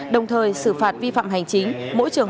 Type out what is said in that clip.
đồng thời xử phạt vi phạm hành chính mỗi trường hợp năm triệu đồng